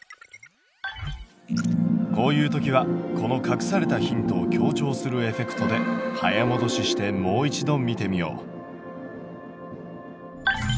こういう時はこの隠されたヒントを強調するエフェクトで早もどししてもう一度見てみよう。